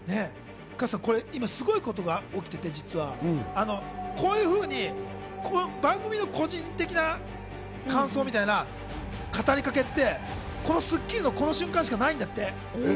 今、すごい事が起きてて、実はこういうふうに番組の個人的な感想みたいな語りかけって『スッキリ』のこの瞬間しかないんだって。